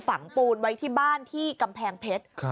ฝังปูนไว้ที่บ้านที่กำแพงเพชร